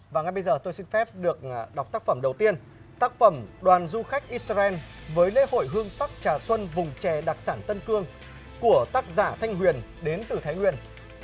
và ngay bây giờ tôi xin phép được đọc tác phẩm đầu tiên tác phẩm đoàn du khách israel với lễ hội hương sắc trà xuân vùng chè đặc sản tân cương của tác giả thanh huyền đến từ thái nguyên